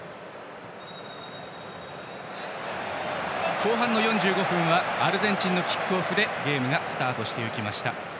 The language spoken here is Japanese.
後半の４５分はアルゼンチンのキックオフでゲームがスタートしました。